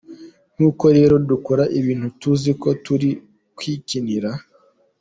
Nuko rero dukora ibintu tuziko turi kwikinira.